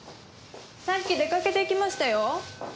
さっき出掛けていきましたよ。